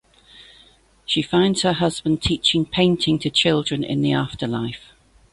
She finds her husband teaching painting to children in the afterlife.